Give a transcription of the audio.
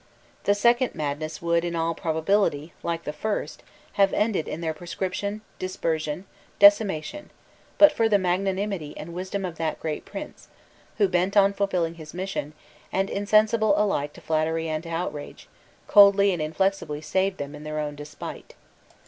The second madness would, in all probability, like the first, have ended in their proscription, dispersion, decimation, but for the magnanimity and wisdom of that great prince, who, bent on fulfilling his mission, and insensible alike to flattery and to outrage, coldly and inflexibly saved them in their own despite.